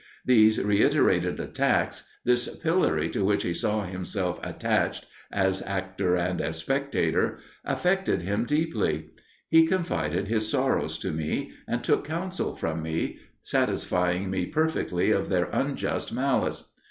These reiterated attacks this pillory to which he saw himself attached, as actor and as spectator affected him deeply. He confided his sorrows to me, and took counsel from me, satisfying me perfectly of their unjust malice.